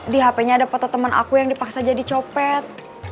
di hp nya ada foto teman aku yang dipaksa jadi copet